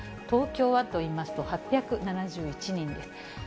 東京はといいますと、８７１人です。